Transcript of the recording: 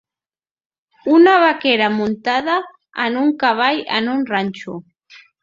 Una vaquera muntada en un cavall en un ranxo.